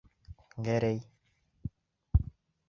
Гәрәй!